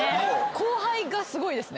後輩がすごいですね。